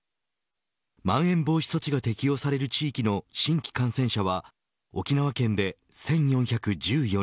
まん延防止等重点措置が適用される地域の新規感染者は沖縄県で１４１４人。